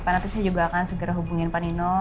karena itu saya juga akan segera hubungi pak nino